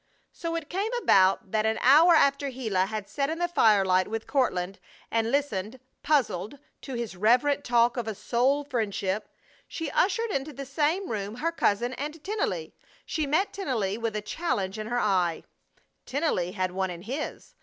So it came about that an hour after Gila had sat in the firelight with Courtland and listened, puzzled, to his reverent talk of a soul friendship, she ushered into the same room her cousin and Tennelly. She met Tennelly with a challenge in her eye. Tennelly had one in his.